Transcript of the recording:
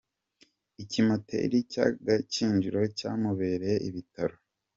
Ikimpoteri cy’Agakinjiro cyamubereye ibitaro